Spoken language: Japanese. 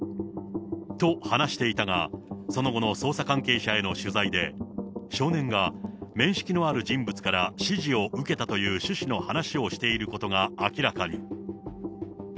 と、話していたが、その後の捜査関係者への取材で、少年が面識のある人物から指示を受けたという趣旨の話をしていることが明らかに。